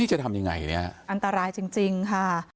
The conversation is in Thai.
นี่จะทำยังไงเนี้ยอันตรายจริงจริงค่ะ